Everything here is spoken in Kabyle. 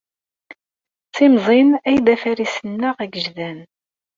D timẓin ay d afaris-nneɣ agejdan.